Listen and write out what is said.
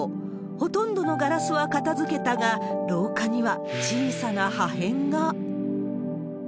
ほとんどのガラスは片づけたが、廊下には小さな破片が。